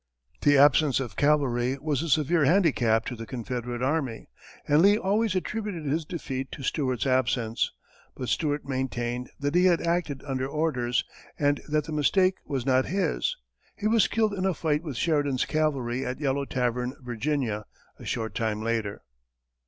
The absence of cavalry was a severe handicap to the Confederate army, and Lee always attributed his defeat to Stuart's absence; but Stuart maintained that he had acted under orders, and that the mistake was not his. He was killed in a fight with Sheridan's cavalry at Yellow Tavern, Virginia, a short time later.